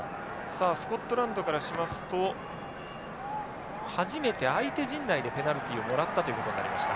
さあスコットランドからしますと初めて相手陣内でペナルティをもらったということになりました。